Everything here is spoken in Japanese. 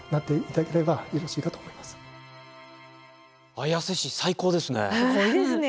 綾瀬市最高ですね。